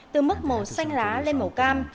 từ mức màu xanh lá lên màu cam